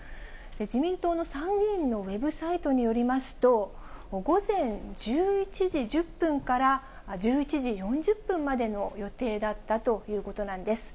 自民党の参議院のウェブサイトによりますと、午前１１時１０分から１１時４０分までの予定だったということなんです。